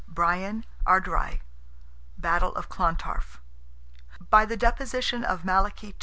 BRIAN, ARD RIGH—BATTLE OF CLONTARF. By the deposition of Malachy II.